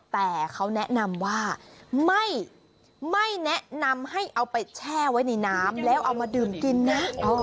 แต่เขาแนะนำว่าไม่แนะนำให้เอาไปแช่ไว้ในน้ำแล้วเอามาดื่มกินนะ